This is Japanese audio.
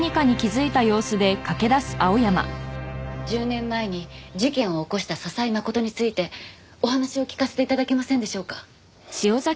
１０年前に事件を起こした笹井誠についてお話を聞かせて頂けませんでしょうか？